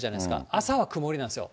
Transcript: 朝は曇りなんですよ。